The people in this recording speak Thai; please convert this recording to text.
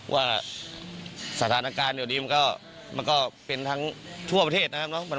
ว่าสถานการณ์เดี๋ยวนี้มันก็เป็นทั้งทั่วประเทศนะครับ